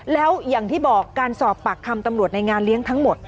แล้วอย่างที่บอกการสอบปากคำตำรวจในงานเลี้ยงทั้งหมด